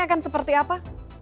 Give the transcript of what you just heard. akan seperti apa